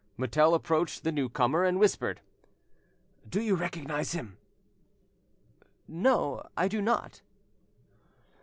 Mutel approached the new comer and whispered— "Do you recognise him?" "No, I do not."